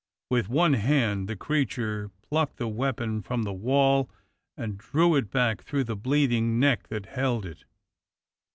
With one hand the creature plucked the weapon from the wall and drew it back through the bleeding neck that held it.